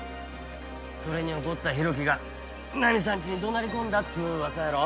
それに怒った浩喜がナミさんちに怒鳴り込んだっつう噂やろ。